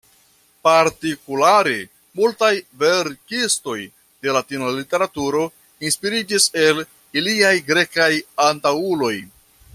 Partikulare, multaj verkistoj de Latina literaturo inspiriĝis el iliaj grekaj antaŭuloj.